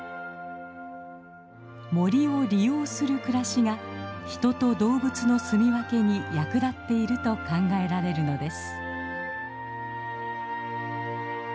森を利用する暮らしが人と動物の住み分けに役立っていると考えられるのです。